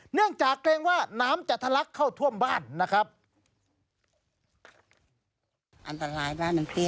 เนื่องจากเกรงว่าน้ำจะทะลักเข้าท่วมบ้านนะครับ